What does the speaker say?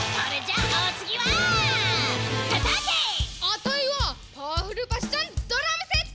「あたいは『パワフルパッションドラムセット』！」